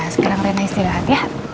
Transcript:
sekarang rena istirahat ya